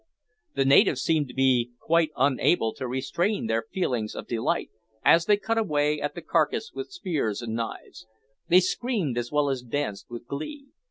The natives seemed to be quite unable to restrain their feelings of delight, as they cut away at the carcase with spears and knives. They screamed as well as danced with glee.